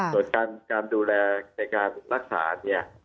ส่วนการดูแลในการรักษาเนี่ย